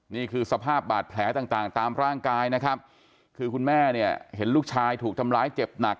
นี่คือสภาพบาดแผลต่างตามร่างกายนะครับคือคุณแม่เนี่ยเห็นลูกชายถูกทำร้ายเจ็บหนัก